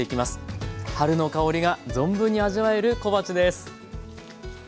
春の香りが存分に味わえる小鉢です。